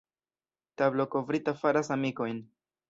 Tablo kovrita faras amikojn.